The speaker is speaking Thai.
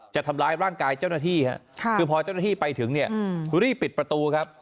จะทำร้ายร่างกายเจ้าหน้าที่คือพอเจ้าหน้าที่ไปถึงเนี่ยรีบปิดประตูครับ